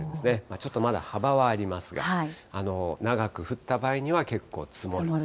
ちょっとまだ幅はありますが、長く降った場合には結構積もる。